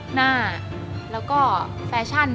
หน้าแล้วก็แฟชั่น